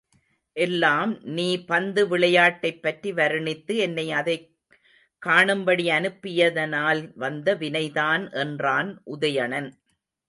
எல்லாம் நீ பந்து விளையாட்டைப் பற்றி வருணித்து என்னை அதைக் காணும்படி அனுப்பியதனால் வந்த வினைதான் என்றான் உதயணன்.